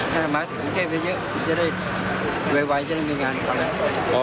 ถ้ามาถึงประเภทเยอะจะได้ไวจะได้มีงานกัน